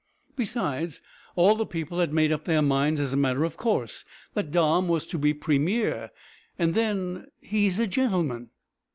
Besides, all the people had made up their minds, as a matter of course, that Dom was to be premier, and then he's a gentleman."